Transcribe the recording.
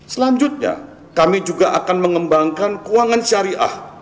selanjutnya kami juga akan mengembangkan keuangan syariah